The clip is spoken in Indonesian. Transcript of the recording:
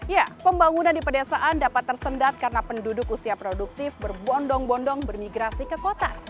ya pembangunan di pedesaan dapat tersendat karena penduduk usia produktif berbondong bondong bermigrasi ke kota